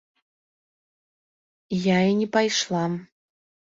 Я і не пайшла.